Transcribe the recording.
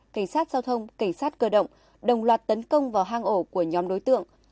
cảnh sát giao thông cảnh sát cơ động đồng loạt tấn công vào hang ổ của nhóm đối tượng